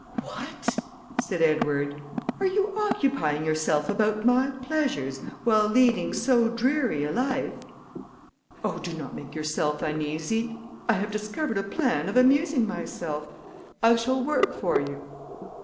"What!" said Edward, "are you occupying yourself about my pleasures, while leading so dreary a life?" "Oh! do not make yourself uneasy; I have discovered a plan of amusing myself; I shall work for you."